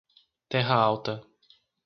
Terra Alta